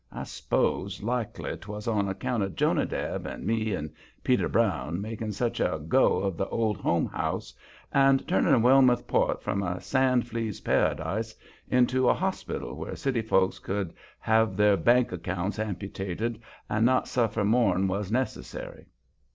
I s'pose likely 'twas on account of Jonadab and me and Peter Brown making such a go of the Old Home House and turning Wellmouth Port from a sand fleas' paradise into a hospital where city folks could have their bank accounts amputated and not suffer more'n was necessary.